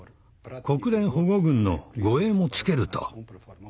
国連保護軍の護衛もつけると。